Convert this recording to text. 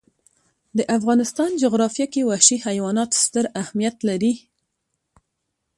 د افغانستان جغرافیه کې وحشي حیوانات ستر اهمیت لري.